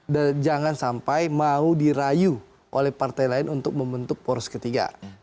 dan jangan sampai mau dirayu oleh partai lain untuk membentuk poros ketiga